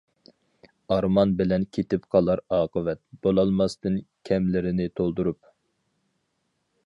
ئارمان بىلەن كېتىپ قالار ئاقىۋەت، بولالماستىن كەملىرىنى تولدۇرۇپ.